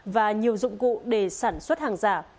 và nhiều dụng cụ để sản xuất hàng giả